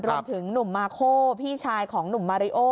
รวมถึงหนุ่มมาโคพี่ชายของหนุ่มมาริโอ